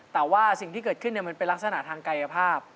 แต่ว่าสิ่งที่เกิดขึ้นมันเป็นลักษณะทางกายภาพ